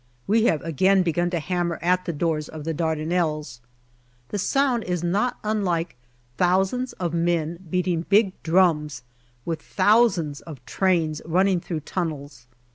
We have again begun to hammer at the doors of the Dardanelles. The sound is not unlike thousands of men beating big drums, with thousands of trains running through tunnels.